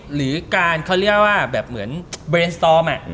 หรือการเขาเรียกว่าแบบเหมือนเวรสตอม